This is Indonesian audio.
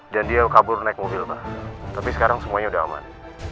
dan dia kabur naik mobil pak tapi sekarang semuanya udah aman